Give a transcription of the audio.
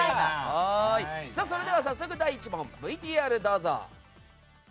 それでは早速第１問のＶＴＲどうぞ。